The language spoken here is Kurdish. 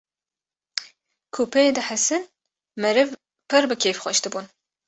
ku pê dihesin meriv pir bi kêfxweş dibûn